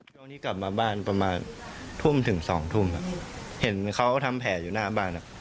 ช่วงนี้กลับมาบ้านประมาณทุ่มถึงสองทุ่มครับเห็นเขาทำแผลอยู่หน้าบ้านอ่ะ